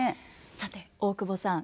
さて大久保さん。